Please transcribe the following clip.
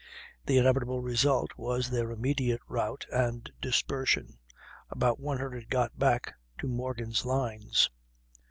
The inevitable result was their immediate rout and dispersion; about one hundred got back to Morgan's lines.